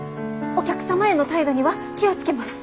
お客様への態度には気を付けます。